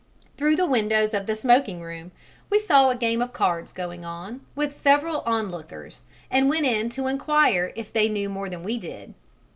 Through the windows of the smoking room we saw a game of cards going on, with several onlookers, and went in to enquire if they knew more than we did.